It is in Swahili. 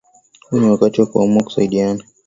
Huu ni wakati wa kuamua kusaidiana.